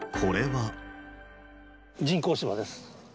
人工芝です。